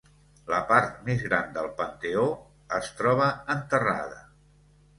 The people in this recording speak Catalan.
La part més gran del panteó es troba enterrada.